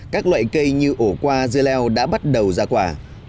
các loại cây như ổ qua dưa leo đã bắt đầu ra quả